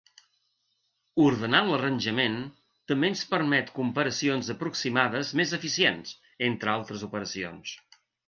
Ordenar l'arranjament també ens permet comparacions aproximades més eficients, entre altres operacions.